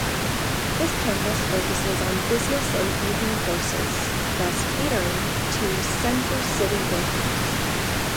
This campus focuses on business and evening courses, thus catering to center city workers.